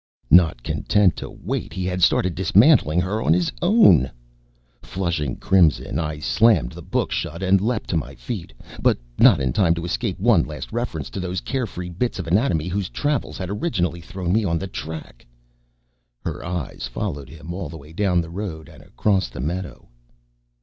_ Not content to wait, he had to start dismantling her on his own. Flushing crimson, I slammed the book shut and leaped to my feet. But not in time to escape one last reference to those carefree bits of anatomy whose travels had originally thrown me on the track: _... her eyes followed him all the way down the road and across the meadow.